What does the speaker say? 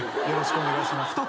よろしくお願いします。